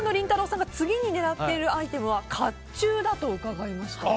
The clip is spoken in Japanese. さんが次に狙っているアイテムは甲冑だと伺いました。